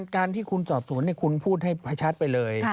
การที่คุณสอบสวนคุณพูดให้ชัดไปเลย